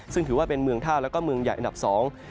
ซึ่งถือว่าเป็นเมืองท่าแล้วก็เมืองใหญ่อันดับสอง